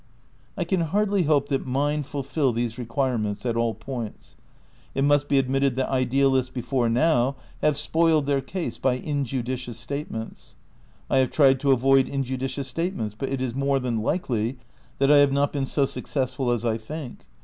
I can hardly hope that mine fulfil these requirements at all points. It must be admitted that idealists before now have spoiled their case by injudicious statements. I have tried to avoid injudicious statements, but it is more than likely that I have not been so successful as I think.